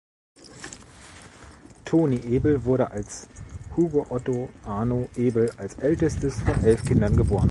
Toni Ebel wurde als Hugo Otto Arno Ebel als ältestes von elf Kindern geboren.